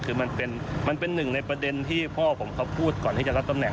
คือมันเป็นหนึ่งในประเด็นที่พ่อผมเขาพูดก่อนที่จะรับตำแหน